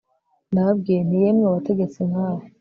Ndababwiye nti Yemwe abategetsi nka we